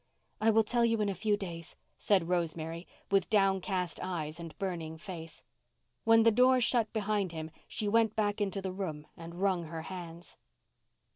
"I will tell you in a few days," said Rosemary, with downcast eyes and burning face. When the door shut behind him she went back into the room and wrung her hands.